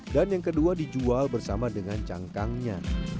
dan yang kedua dijual bersama dengan cangkangnya